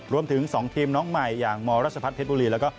รวมถึง๒ทีมน้องใหม่อย่างมรัชพัฒนเพชรบุรีแล้วก็